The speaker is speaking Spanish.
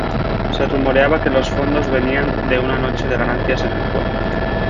Se rumoreaba que los fondos venían de una noche de ganancias en el juego.